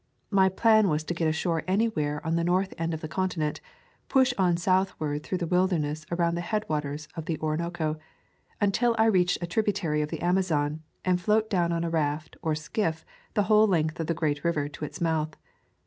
My plan was to get ashore anywhere on the north end of the continent, push on southward through the wilderness around the headwaters of the Orinoco, until I reached a tributary of the Amazon, and float down on a raft or skiff the whole length of the great river to its mouth.